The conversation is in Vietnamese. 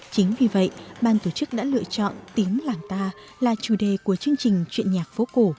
chính vì vậy ban tổ chức đã lựa chọn tiếng làng ta là chủ đề của chương trình chuyện nhạc phố cổ